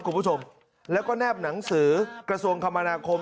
คุณผู้ชมแล้วก็แนบหนังสือกระทรวงคมนาคม